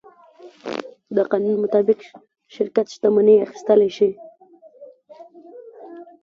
د قانون مطابق شرکت شتمنۍ اخیستلی شي.